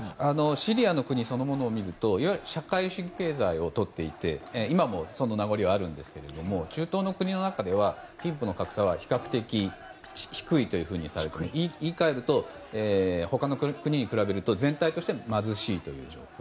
シリアの国そのものを見ると社会主義経済をとっていて今もその名残はありますが中東の国の中では貧富の格差は比較的低いとされていて言い換えると、他の国に比べると全体として貧しいという状況。